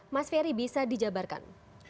mas ferry bisa dijabarkan